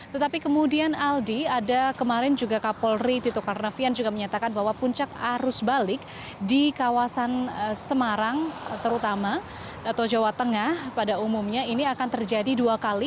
tetapi kemudian aldi ada kemarin juga kapolri tito karnavian juga menyatakan bahwa puncak arus balik di kawasan semarang terutama atau jawa tengah pada umumnya ini akan terjadi dua kali